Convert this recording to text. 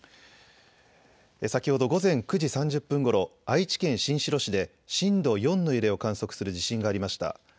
先ほど午前９時３０分ごろ、愛知県新城市で震度４の揺れを観測する地震がありました。